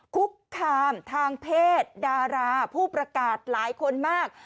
คุกคามทางเพศดาราผู้ประกาศหลายคนมาก